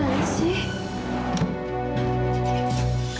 sasang aku dadah aku